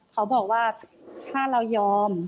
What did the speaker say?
เขาบอกว่าถ้าเรายอม